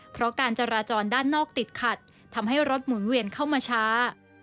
เพราะการจราจรด้านนอกติดขัดทำให้รถหมุนเวียนเข้ามาช้า